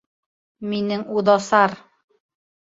Минең үҙосар.